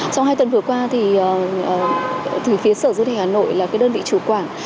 trong hai tuần vừa qua thì phía sở du lịch hà nội là cái đơn vị chủ quảng